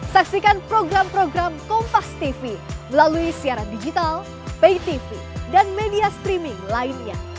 saksikan program program kompastv melalui siaran digital paytv dan media streaming lainnya